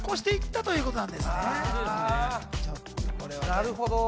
なるほど。